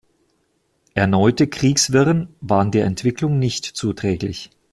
Erneute Kriegswirren waren der Entwicklung nicht zuträglich.